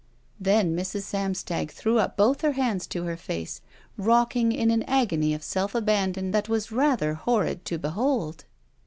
Then Mrs. Samstag threw up both her hands to her face, rocking in an agony of self abandon that was rather horrid to behold.